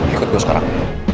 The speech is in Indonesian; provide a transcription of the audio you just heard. ikut gue sekarang